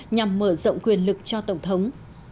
nhằm mở rộng quyền lực cho tổng thống